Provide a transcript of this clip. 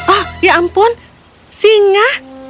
oh ya ampun singa